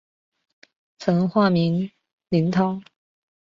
曾化名林涛。